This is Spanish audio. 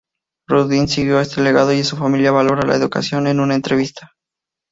Rudin siguió este legado y su familia valora la educación en una entrevista.